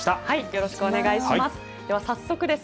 よろしくお願いします。